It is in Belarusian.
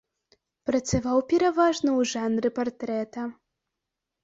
Працаваў пераважна ў жанры партрэта.